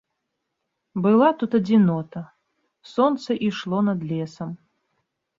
Была тут адзінота, сонца ішло над лесам.